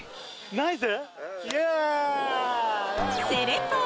ナイス？